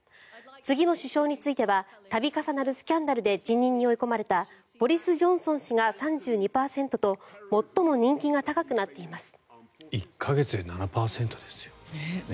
次の首相については度重なるスキャンダルで辞任に追い込まれたボリス・ジョンソン氏が３２％と最も人気が高くなっています。